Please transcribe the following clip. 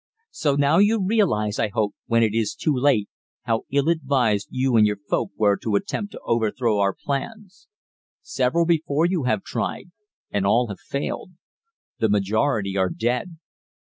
So now you realize, I hope, when it is too late, how ill advised you and your folk were to attempt to overthrow our plans. Several before you have tried, and all have failed; the majority are dead.